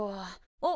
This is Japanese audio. あっ。